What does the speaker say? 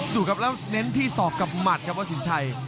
ดูครับแล้วเน้นที่ศอกกับหมัดครับว่าสินชัย